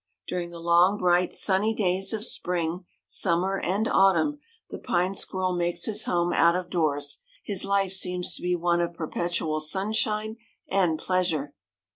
During the long, bright, sunny days of spring, summer and autumn, the Pine Squirrel makes his home out of doors. His life seems to be one of perpetual sunshine and pleasure.